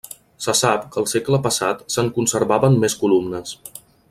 Se sap que el segle passat se'n conservaven més columnes.